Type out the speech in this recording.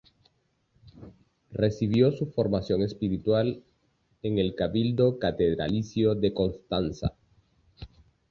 Recibió su formación espiritual en el Cabildo catedralicio de Constanza.